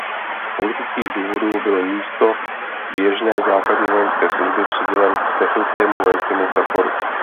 Z politických důvodů byl místo běžné základní vojenské služby přidělen k technickému vojenskému praporu.